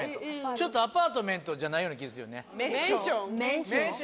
ちょっと「アパートメント」じゃないような気するよね。